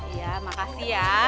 iya makasih ya